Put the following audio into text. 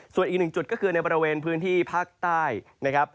ส่วนอีกหนึ่งจุดก็คือในบริเวณพื้นที่ภาคใต้นะครับ